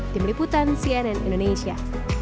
tim liputan cnn indonesia